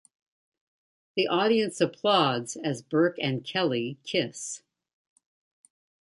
The audience applauds as Berke and Kelly kiss.